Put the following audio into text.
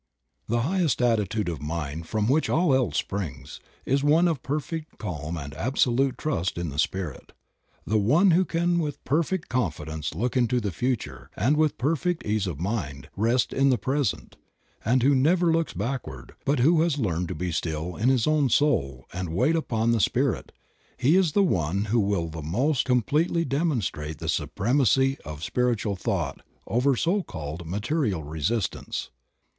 'THE highest attitude of mind, from which all else springs, is one of perfect calm and absolute trust in the Spirit. The one who can with perfect confidence look into the future and with perfect ease of mind rest in the present, and who never looks backward, but who has learned to be still in his own soul and wait upon the Spirit, he is the one who will the most completely demon strate the supremacy of spiritual thought over all so called material resistance.